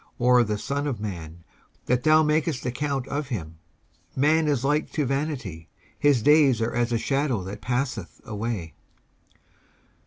or the son of man, that thou makest account of him! 19:144:004 Man is like to vanity: his days are as a shadow that passeth away.